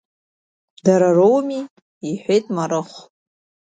Дара роуми, — иҳәеит Марыхә.